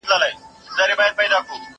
د لېوه ستوني ته سر یې کړ دننه